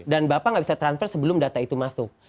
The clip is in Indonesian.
dan bapak gak bisa transfer sebelum data itu masuk